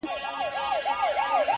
اوس عجيبه جهان كي ژوند كومه”